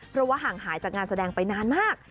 เพราะว่าห่างหายจากงานแสดงไปนานมาก